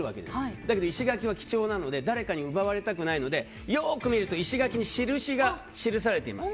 だけど石垣は貴重なので誰かに奪われたくないのでよく見ると石垣に印があります。